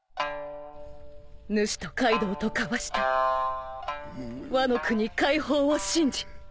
ぬしとカイドウと交わしたワノ国解放を信じ。